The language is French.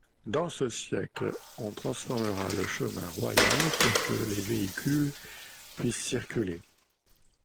Dans ce siècle, on transformera le chemin royal pour que les véhicules puissent circuler.